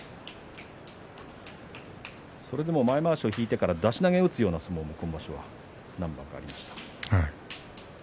それでも前まわしを引いてから出し投げを打つような相撲が何番かありました。